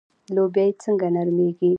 لوبیې څنګه نرمیږي؟